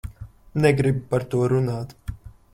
Negribu par to runāt.